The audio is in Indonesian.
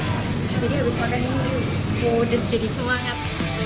jadi habis makan ini mudah jadi semangat